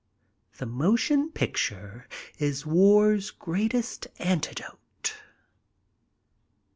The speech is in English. The motion picture is war's greatest an tidote.